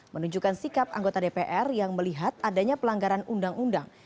menunjukkan sikap anggota dpr yang melihat adanya pelanggaran undang undang